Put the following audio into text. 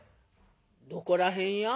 「どこら辺や？」。